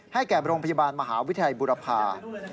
แก่โรงพยาบาลมหาวิทยาลัยบุรพา